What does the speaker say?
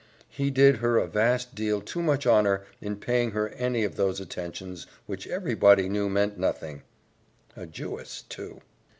He did her a vast deal too much honour in paying her any of those attentions which every body knew meant nothing a Jewess, too!"